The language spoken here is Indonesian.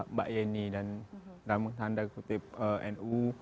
mbak yeni dan tanda kutip nu